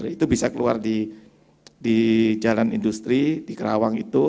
itu bisa keluar di jalan industri di kerawang itu